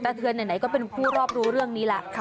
เทือนไหนก็เป็นผู้รอบรู้เรื่องนี้แหละ